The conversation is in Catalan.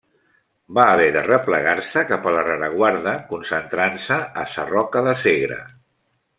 Va haver de replegar-se cap a la rereguarda, concentrant-se a Sarroca de Segre.